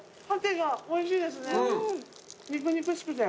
肉々しくて。